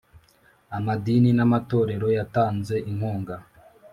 amadini n amatorero yatanze inkunga.